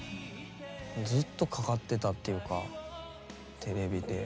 ずっとかかってたっていうかテレビで。